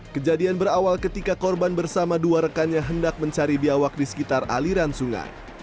kejadian berawal ketika korban bersama dua rekannya hendak mencari biawak di sekitar aliran sungai